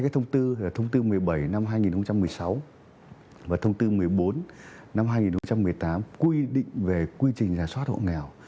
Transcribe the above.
thông tư thông tư một mươi bảy năm hai nghìn một mươi sáu và thông tư một mươi bốn năm hai nghìn một mươi tám quy định về quy trình giả soát hộ nghèo